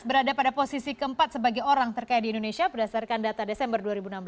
berada pada posisi keempat sebagai orang terkaya di indonesia berdasarkan data desember dua ribu enam belas